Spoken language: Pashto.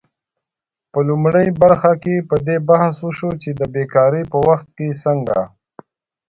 په لومړۍ برخه کې په دې بحث وشو چې د بیکارۍ په وخت څنګه